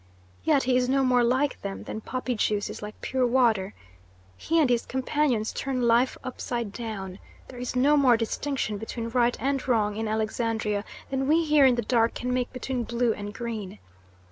Yet he is no more like them than poppy juice is like pure water. He and his companions turn life upside down. There is no more distinction between right and wrong in Alexandria than we here in the dark can make between blue and green.